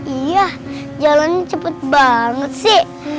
iya jalannya cepet banget sih